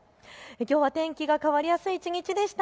きょうは天気が変わりやすい一日でした。